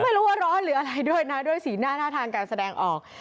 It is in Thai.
หรือว่าร้อนหรืออะไรด้วยนะด้วยสีหน้าท่าทางการแสดงออก